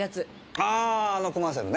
あああのコマーシャルね。